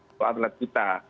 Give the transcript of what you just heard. untuk atlet kita